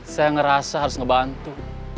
saya ngerasa harus ngebantu